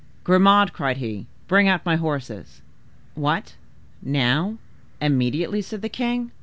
"Grimaud!" cried he, "bring out my horses." "What, now—immediately!" said the king.